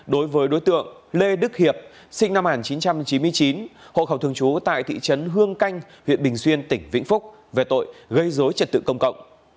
đối với đối tượng lê đức hiệp sinh năm một nghìn chín trăm chín mươi chín hộ khẩu thường trú tại thị trấn hương canh huyện bình xuyên tỉnh vĩnh phúc về tội gây dối trật tự công cộng